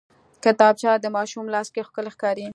کتابچه د ماشوم لاس کې ښکلي ښکاري